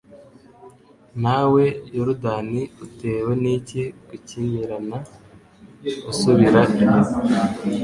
Nawe Yorudani utewe n’iki gukimirana usubira inyuma?